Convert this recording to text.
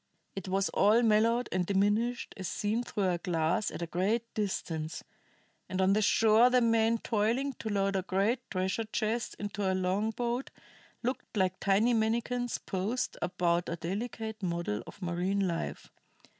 It was all mellowed and diminished as seen through a glass at great distance; and on the shore the men toiling to load a great treasure chest into a long boat looked like tiny manikins posed about a delicate model of marine life.